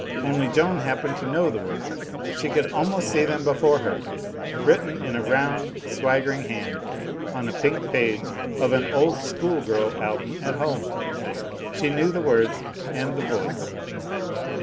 Only Joan happened to know the words. She could almost see them before her, written in a roimd swaggering hand on the pink page of an old school girl album at home. She loiew the words and the voice.